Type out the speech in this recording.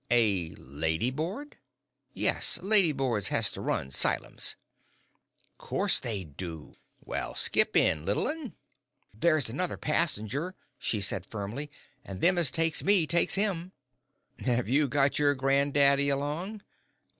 "A lady board?" "Yes lady boards has to run 'sylums." "Course they do. Well, skip in, little un." [Illustration: "'WELL, I VUM!'"] "There's another passenger," she said, firmly; "an' them as takes me takes him." "Have you got your granddaddy along?"